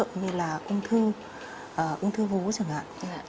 như là ung thư ung thư vú chẳng hạn